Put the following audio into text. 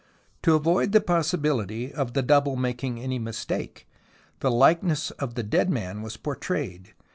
To avoid the possibility of the double making any mistake, the likeness of the dead man was portrayed.